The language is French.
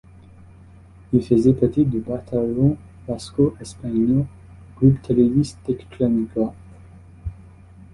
Il faisait partie du Batallón Vasco Español, groupe terroriste d'extrême-droite.